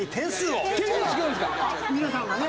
皆さんがね。